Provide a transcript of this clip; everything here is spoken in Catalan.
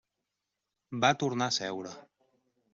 Va tornar a seure.